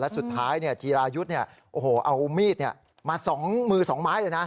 สุดท้ายจีรายุทธ์เอามีดมา๒มือ๒ไม้เลยนะ